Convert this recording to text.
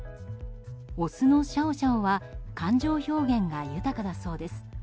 オスのシャオシャオは感情表現が豊かだそうです。